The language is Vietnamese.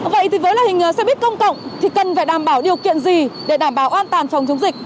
vậy thì với loại hình xe buýt công cộng thì cần phải đảm bảo điều kiện gì để đảm bảo an toàn phòng chống dịch